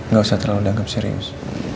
gak usah terlalu dangkep serius